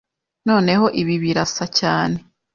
Noneho ibi birasa cyane.